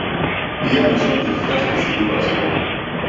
יהיה הראשון ויפתח את הסיבוב האחרון